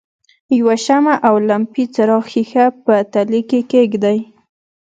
یوه شمع او لمپې څراغ ښيښه په تلې کې کیږدئ.